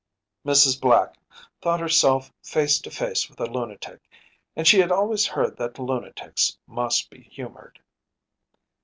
‚ÄĚ Mrs. Black thought herself face to face with a lunatic, and she had always heard that lunatics must be humored.